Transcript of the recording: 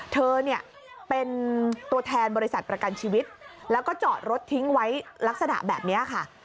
เธอเนี่ยเป็นตัวแทนบริษัทประกันชีวิตแล้วก็จอดรถทิ้งไว้ลักษณะแบบนี้ค่ะ